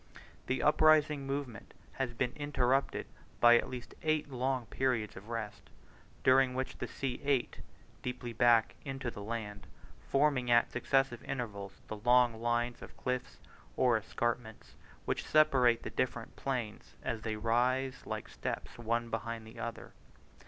The uprising movement has been interrupted by at least eight long periods of rest, during which the sea ate, deeply back into the land, forming at successive levels the long lines of cliffs, or escarpments, which separate the different plains as they rise like steps one behind the other.